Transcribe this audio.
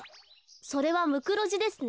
それはムクロジですね。